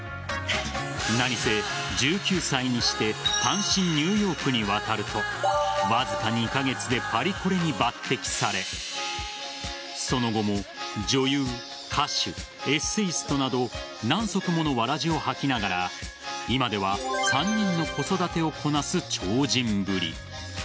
何せ、１９歳にして単身ニューヨークに渡るとわずか２カ月でパリコレに抜擢されその後も女優、歌手、エッセイストなど何足ものわらじを履きながら今では３人の子育てをこなす超人ぶり。